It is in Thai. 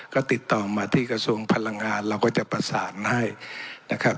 ก็ติดต่อมาที่กระทรวงพลังงานเราก็จะประสานให้นะครับ